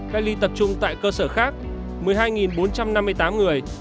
cách ly tập trung tại cơ sở khác một mươi hai bốn trăm năm mươi tám người